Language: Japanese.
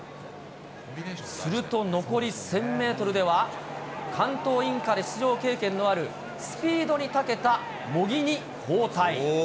すると残り１０００メートルでは、関東インカレ出場経験のある、スピードにたけた茂木に交代。